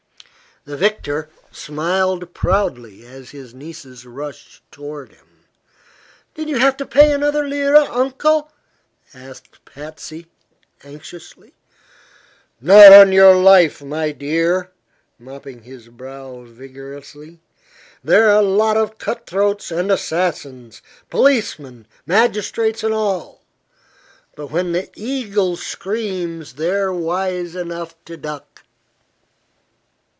The victor smiled proudly as his nieces rushed toward him. "Did you have to pay another lira, Uncle?" asked Patsy, anxiously. "Not on your life, my dear," mopping his brow vigorously. "They're a lot of cutthroats and assassins policemen, magistrates and all but when the eagle screams they're wise enough to duck."